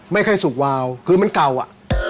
ไม่ใครศุกร์วาลคือมันเก่าอะ